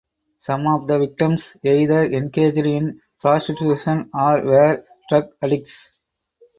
Some of the victims either engaged in prostitution or were drug addicts.